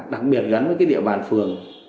đặc biệt gắn với cái địa bàn phường